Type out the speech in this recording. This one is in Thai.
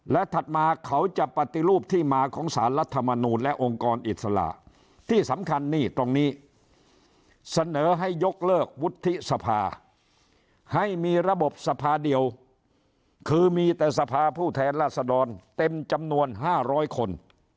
และถัดมาเขาจะปฏิรูปที่มาของสารรัฐมนูลและองค์กรอิสระที่สำคัญนี่ตรงนี้เสนอให้ยกเลิกวุฒิสภาให้มีระบบสภาเดียวคือมีแต่สภาผู้แทนราษฎรเต็มจำนวน๕๐๐คน